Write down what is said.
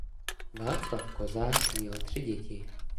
Václav Kozák měl tři děti.